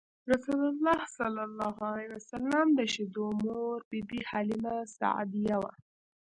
رسول الله ﷺ د شیدو مور بی بی حلیمه سعدیه وه.